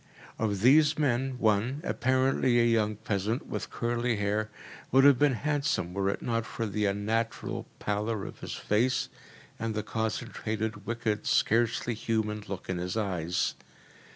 Of these men one, apparently a young peasant, with curly hair, would have been handsome were it not for the unnatural pallor of his face, and the concentrated, wicked, scarcely human, look in his eyes.